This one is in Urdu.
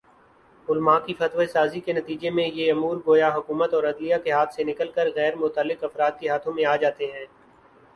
علما کی فتویٰ سازی کے نتیجے میںیہ امور گویا حکومت اورعدلیہ کے ہاتھ سے نکل کر غیر متعلق افراد کے ہاتھوں میں آجاتے ہیں